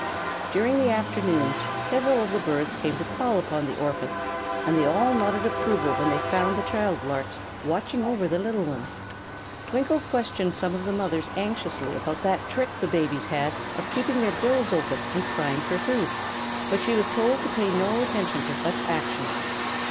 During the afternoon several of the birds came to call upon the orphans, and they all nodded approval when they found the child larks watching over the little ones. Twinkle questioned some of the mothers anxiously about that trick the babies had of keeping their bills open and crying for food, but she was told to pay no attention to such actions.